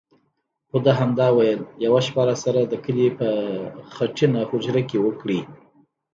خو ده همدا ویل: یوه شپه راسره د کلي په خټینه هوجره کې وکړئ.